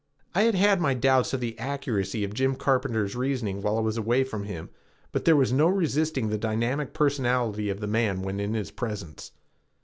I had had my doubts of the accuracy of Jim Carpenter's reasoning while I was away from him, but there was no resisting the dynamic personality of the man when in his presence.